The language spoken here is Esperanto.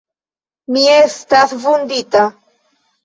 Mi estas vundita!